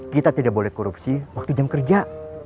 kita tidak boleh korupsi waktu jam kerja